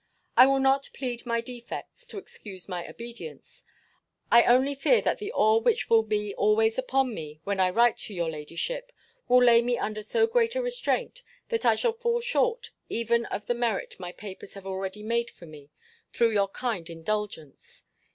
I will not plead my defects, to excuse my obedience. I only fear that the awe which will be always upon me, when I write to your ladyship, will lay me under so great a restraint, that I shall fall short even of the merit my papers have already made for me, through your kind indulgence.